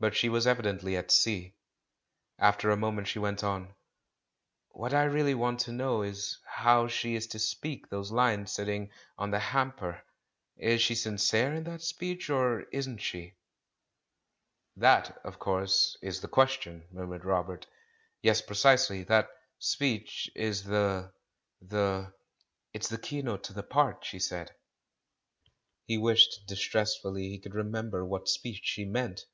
But she was evidently at sea. After a moment she went on, "What I really want to know is how she is to speak those lines sitting on the hamper — is she sincere in that speech or isn't she?" 402 THE MAN WHO UNDERSTOOD WOMEN "That, of course, is the question," murmured Robert. "Yes, precisely. That speech is the — the " "It's the keynote to the part," she said. He wished distressfully he could remember what speech she meant.